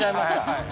はい。